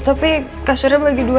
tapi kasurnya bagi dua